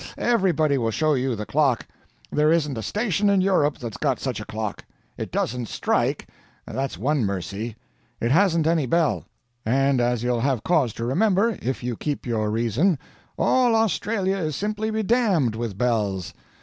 Everybody will show you the clock. There isn't a station in Europe that's got such a clock. It doesn't strike and that's one mercy. It hasn't any bell; and as you'll have cause to remember, if you keep your reason, all Australia is simply bedamned with bells.